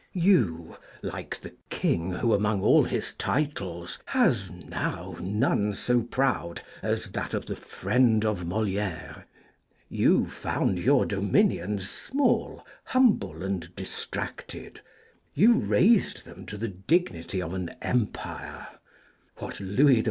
You, like the king who, among all his titles, has now none so proud as that of the friend of Moliére you found your dominions small, humble, and distracted; you raised them to the dignity of an empire: what Louis XIV.